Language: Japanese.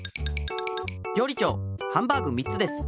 りょうり長ハンバーグ３つです。